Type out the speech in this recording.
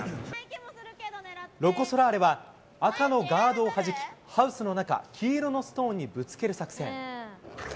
ロコ・ソラーレは赤のガードをはじき、ハウスの中、黄色のストーンにぶつける作戦。